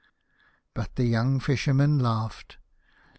( But the young Fisherman laughed.